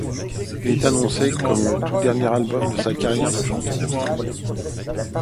Il est annoncé comme le tout dernier album de la carrière du chanteur.